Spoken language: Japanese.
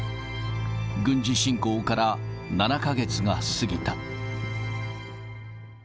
軍事侵攻から７か月が過ぎた。